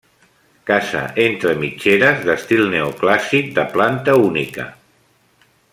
Casa entre mitgeres d'estil neoclàssic, de planta única.